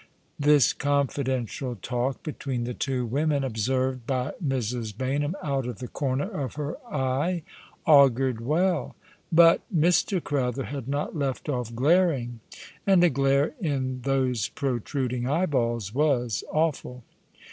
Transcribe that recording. This confidential talk between the two women, observed by Mrs. Baynham out of the corner of her eye, augured well ; but Mr. Crowther had not left off glaring, and a glare in those protruding eyeballs was awful.